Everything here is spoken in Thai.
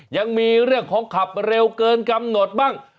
ยังมีเรื่องของขับเร็วเกินกำหนดบ้าง